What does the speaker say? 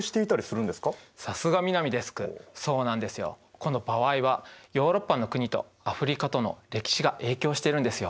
この場合はヨーロッパの国とアフリカとの歴史が影響してるんですよ。